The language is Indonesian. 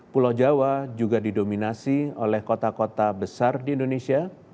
pulau jawa juga didominasi oleh kota kota besar di indonesia